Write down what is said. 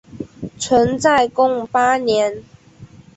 存在共八年。